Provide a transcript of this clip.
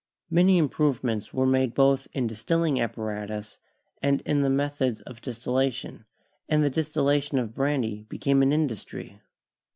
Many improvements were made both in distilling appara tus and in the methods of distillation, and the distillation of brandy became an industry.